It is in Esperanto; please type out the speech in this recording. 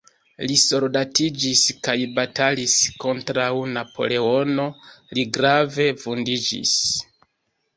Li soldatiĝis kaj batalis kontraŭ Napoleono, li grave vundiĝis.